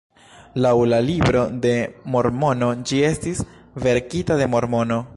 Laŭ la Libro de Mormono, ĝi estis verkita de Mormono.